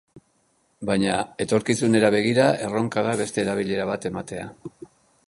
Baina, etorkizunera begira erronka da beste erabilera bat ematea.